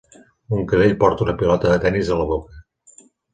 Un cadell porta una pilota de tennis a la boca.